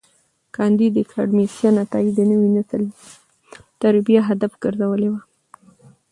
کانديد اکاډميسن عطایي د نوي نسل تربیه هدف ګرځولي وه.